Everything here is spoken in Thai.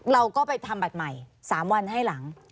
เราก็ไปทำบัตรใหม่๓วันให้หลัง